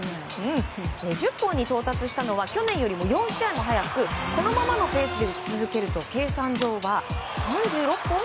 １０本に到達したのは去年よりも４試合も早くこのままのペースで打ち続けると計算上は３６本。